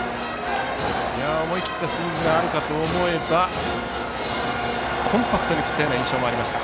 思い切ったスイングがあるかと思えばコンパクトに振ったような印象もありました。